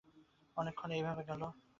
অনেকক্ষণ এইভাবে গেল।